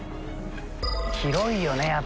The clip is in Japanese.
広いよね